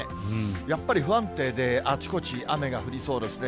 やっぱり不安定で、あちこち雨が降りそうですね。